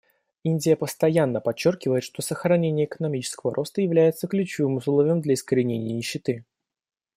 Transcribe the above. Индия постоянно подчеркивает, что сохранение экономического роста является ключевым условием для искоренения нищеты.